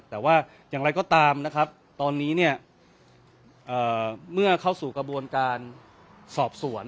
แต่ว่าอย่างไรก็ตามนะครับตอนนี้เนี่ยเมื่อเข้าสู่กระบวนการสอบสวน